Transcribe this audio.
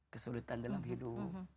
kesudutan dalam hidup